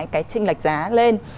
cái trinh lệch giá lên